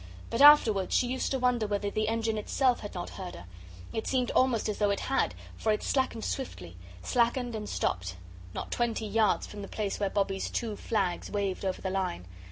But afterwards she used to wonder whether the engine itself had not heard her. It seemed almost as though it had for it slackened swiftly, slackened and stopped, not twenty yards from the place where Bobbie's two flags waved over the line.